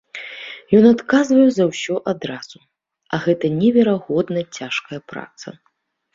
Ён адказвае за ўсё адразу, а гэта неверагодна цяжкая праца.